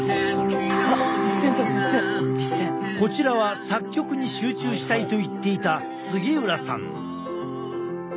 こちらは作曲に集中したいと言っていた杉浦さん。